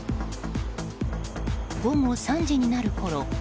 午後３時になるころ